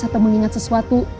atau mengingat sesuatu